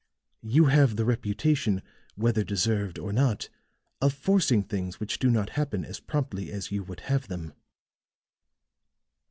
You have the reputation, whether deserved or not, of forcing things which do not happen as promptly as you would have them.